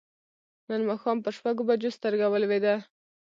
نن ماښام پر شپږو بجو سترګه ولوېده.